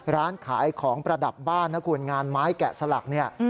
ร้านขายของประดับบ้านนะคุณงานไม้แกะสลักเนี่ย